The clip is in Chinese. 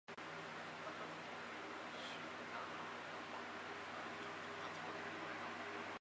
邦比阿仙奴丹麦国家队个人邦比个人